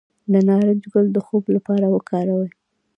د نارنج ګل د خوب لپاره وکاروئ